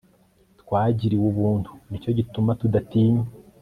twagiriwe ubuntu ni cyo gituma tudatinya